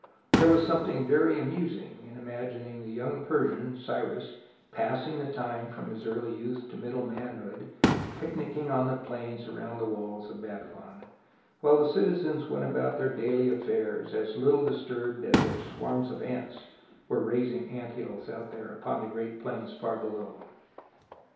There was something very amusing in imagining the young Persian, Cyrus, passing the time from his early youth to middle manhood in picknicking on the plains around the THE BOOK OF FAMOUS SIEGES walls of Babylon, while the citizens went about their daily affairs as little disturbed as if swarms of ants were raising ant hills out there upon the great plains far below.